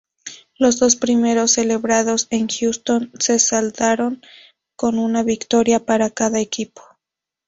Los dos primeros, celebrados en Houston, se saldaron con una victoria para cada equipo.